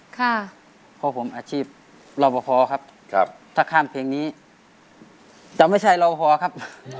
เพราะผมอาชีพรอบพอครับถ้าข้ามเพลงนี้จะไม่ใช่รอพอครับ